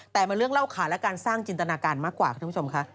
แต่มันเรื่องเล่าขานและการสร้างจินตนาการมากกว่าคุณผู้ชมค่ะ